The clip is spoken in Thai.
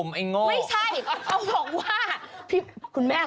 ไม่ใช่เขาบอกว่า